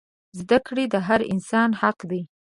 زده کړه د هر انسان حق دی.